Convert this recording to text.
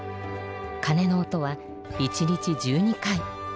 かねの音は１日１２回。